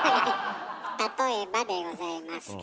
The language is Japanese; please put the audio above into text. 例えばでございますが。